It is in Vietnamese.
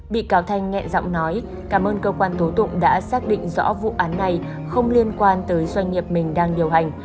bị cáo thanh nhẹ giọng nói cảm ơn cơ quan tố tụng đã xác định rõ vụ án này không liên quan tới doanh nghiệp mình đang điều hành